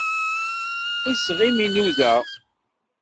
Iseɣ-im inuda.